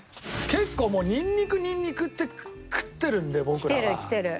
結構もうニンニクニンニクって食ってるんで僕らは。きてるきてる。